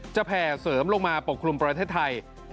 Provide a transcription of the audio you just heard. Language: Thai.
แผ่เสริมลงมาปกคลุมประเทศไทย